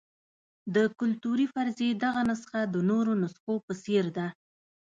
د کلتوري فرضیې دغه نسخه د نورو نسخو په څېر ده.